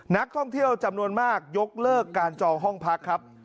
นักท่องเที่ยวจำนวนมากยกเลิกการจองห้องพักครับ